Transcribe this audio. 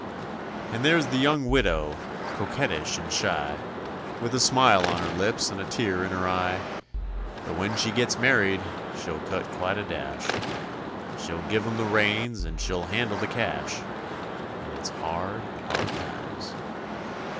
And there's the young widow, coquettish and shy, With a smile on her lips and a tear in her eye, But when she gets married she'll cut quite a dash, She'll give him the reins and she'll handle the cash, And it's hard, hard times.